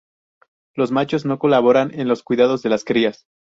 Los machos no colaboran en los cuidados de las crías.